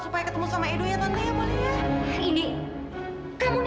supaya ketemu sama edo ya tante ya boleh ya